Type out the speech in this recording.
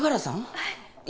はい！